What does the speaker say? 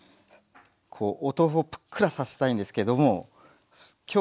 お豆腐をぷっくらさせたいんですけども今日はですね